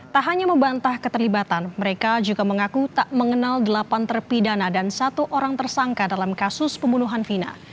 tak hanya membantah keterlibatan mereka juga mengaku tak mengenal delapan terpidana dan satu orang tersangka dalam kasus pembunuhan vina